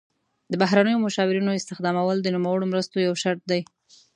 د بهرنیو مشاورینو استخدامول د نوموړو مرستو یو شرط دی.